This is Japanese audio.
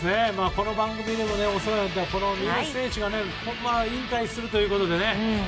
この番組でもお世話になった三好選手が引退するということでね。